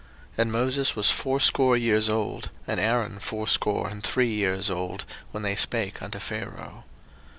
02:007:007 And Moses was fourscore years old, and Aaron fourscore and three years old, when they spake unto Pharaoh.